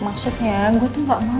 maksudnya gue tuh gak mau